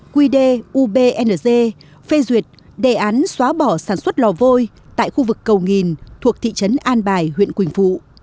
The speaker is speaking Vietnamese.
quy đê ubngz phê duyệt đề án xóa bỏ sản xuất lò vôi tại khu vực cầu nghìn thuộc thị trấn an bài huyện quỳnh phụ